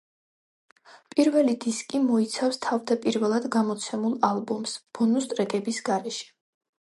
პირველი დისკი მოიცავს თავდაპირველად გამოცემულ ალბომს ბონუს ტრეკების გარეშე.